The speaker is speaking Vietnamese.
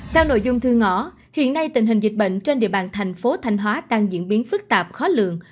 theo nội dung thư ngõ hiện nay tình hình dịch bệnh trên địa bàn thành phố thanh hóa đang diễn biến phức tạp khó lượng